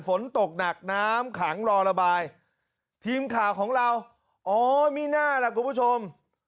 ฝนตกหนักน้ำขังรอระบายทีมข่าวของเราอ๋อมีน่าล่ะคุณผู้ชม